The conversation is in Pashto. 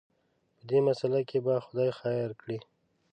په دې مساله کې به خدای خیر کړي.